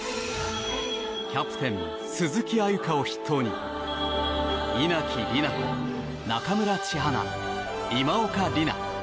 キャプテン鈴木歩佳を筆頭に稲木李菜子、中村知花、今岡里奈